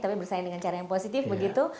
tapi bersaing dengan cara yang positif begitu